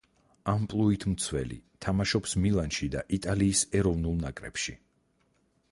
ამპლუით მცველი, თამაშობს მილანში და იტალიის ეროვნულ ნაკრებში.